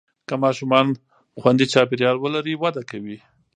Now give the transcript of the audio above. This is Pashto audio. که ماشومان خوندي چاپېریال ولري، وده کوي.